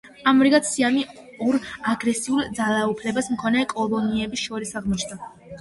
ამრიგად, სიამი ორ აგრესიულ, ძალაუფლების მქონე კოლონიებს შორის აღმოჩნდა.